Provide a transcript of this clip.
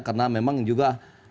karena memang juga